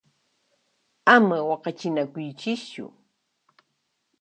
Ama waqachinakuychischu!